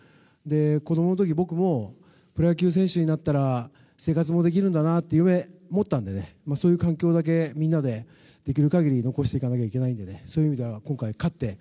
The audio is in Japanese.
子供の時、僕もプロ野球選手になったら生活もできるんだなって夢を持ったのでそういう環境だけみんなでできる限り残していかないといけないのでそういう意味では今回、勝って。